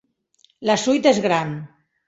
La suite és gran.